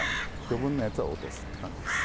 余分なやつは落とすって感じです。